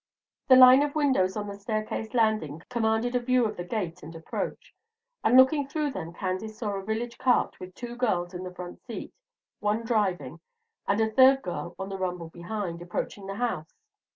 The line of windows on the staircase landing commanded a view of the gate and approach, and looking through them Candace saw a village cart with two girls on the front seat, one driving, and a third girl in the rumble behind, approaching the house.